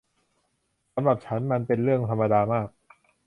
สำหรับฉันมันเป็นเรื่องธรรมดามาก